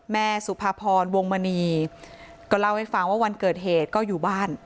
สุภาพรวงมณีก็เล่าให้ฟังว่าวันเกิดเหตุก็อยู่บ้าน